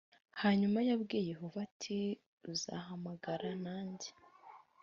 hanyuma yabwiye yehova ati uzahamagara nanjye